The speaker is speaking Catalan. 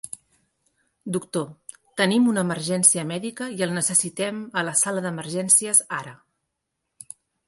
Doctor, tenim una emergència mèdica i el necessitem a la sala d'emergències ara.